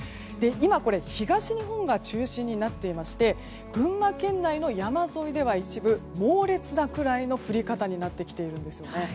今、東日本が中心になっていまして群馬県内の山沿いでは一部、猛烈なくらいの降り方になってきているんですね。